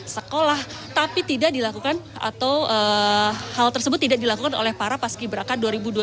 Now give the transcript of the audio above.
sekolah tapi tidak dilakukan atau hal tersebut tidak dilakukan oleh para paski beraka dua ribu dua puluh